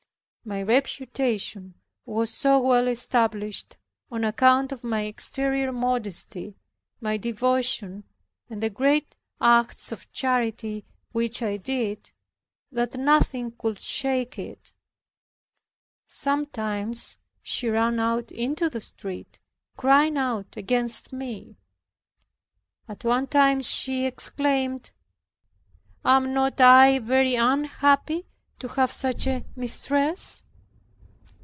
My reputation was so well established, on account of my exterior modesty, my devotion, and the great acts of charity which I did, that nothing could shake it. Sometimes she ran out into the street, crying out against me. At one time she exclaimed, "Am not I very unhappy to have such a mistress?"